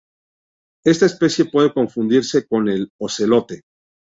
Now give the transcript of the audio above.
Esta especie puede confundirse con el ocelote.